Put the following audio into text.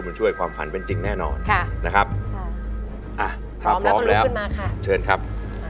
คุณหมูช่วยความคิดเป็นจริงแน่นอนนะครับนะครับ